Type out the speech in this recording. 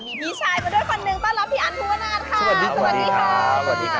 มีพี่ชายมาด้วยคนหนึ่งต้อนรับพี่อัทธุวนาศค่ะ